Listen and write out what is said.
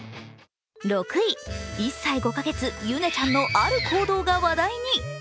６位、１歳５か月、ゆねちゃんのある行動が話題に。